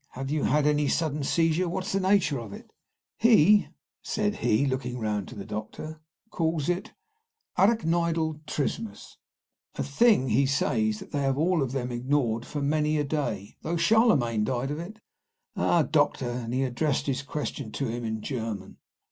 "Have you had any sudden seizure? What is the nature of it?" "He," said he, looking round to the doctor, "calls it 'arachnoidal trismus,' a thing, he says, that they have all of them ignored for many a day, though Charlemagne died of it. Ah, Doctor," and he addressed a question to him in German.